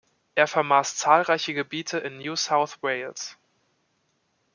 Er vermaß zahlreiche Gebiete in New South Wales.